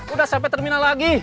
udah sampe terminal lagi